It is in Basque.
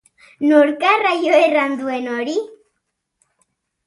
Nork arraio erran duen hori?